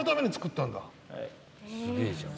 すげえじゃん。